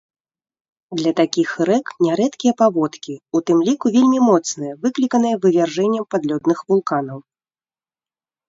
Для такіх рэк нярэдкія паводкі, у тым ліку вельмі моцныя, выкліканыя вывяржэннем падлёдных вулканаў.